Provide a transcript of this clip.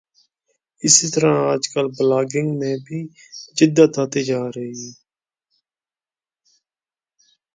اسی طرح آج کل بلاگنگ میں بھی جدت آتی جارہی ہے